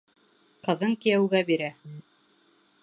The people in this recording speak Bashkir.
Ҡыҙын кейәүгә бирә.